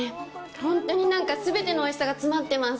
本当に、なんか全てのおいしさが詰まってます。